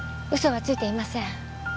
嘘はついていません。